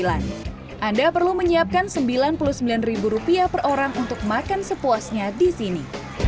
anda perlu menyiapkan sembilan puluh sembilan per orang untuk makan sepuasnya di sini